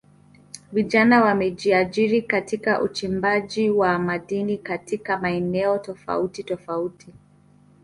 Vijana wamejiajiri katika uchimbaji wa madini katika maeneo tofauti tofauti